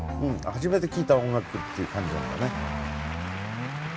初めて聴いた音楽っていう感じだったね。